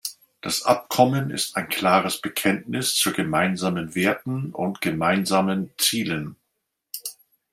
Das Abkommen ist ein klares Bekenntnis zu gemeinsamen Werten und gemeinsamen Zielen.